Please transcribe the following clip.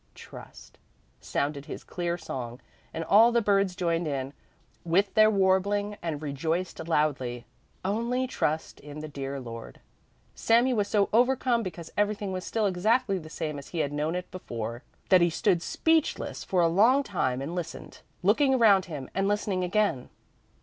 Trust!" sounded his clear song, and all the birds joined in with their warbling and rejoiced loudly: "Only trust the dear Lord!" Sami was so overcome because everything was still exactly the same as he had known it before, that he stood speechless for a long time and listened, looking around him and listening again.